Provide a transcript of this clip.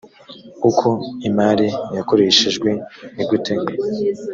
uko imari yakoreshejwe nigute